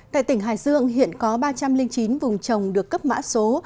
tại tỉnh hà giang hiện có ba trăm linh chín vùng trồng được cấp mã số